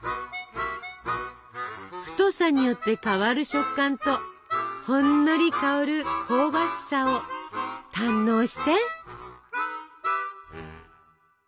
太さによって変わる食感とほんのり香る香ばしさを堪能して！